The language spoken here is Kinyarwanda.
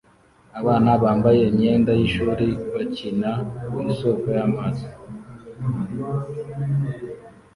Abana bambaye imyenda y'ishuri bakina ku isoko y'amazi